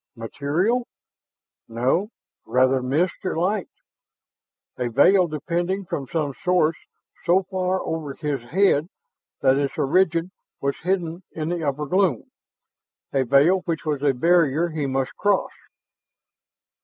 Material? No, rather mist or light. A veil depending from some source so far over his head that its origin was hidden in the upper gloom, a veil which was a barrier he must cross.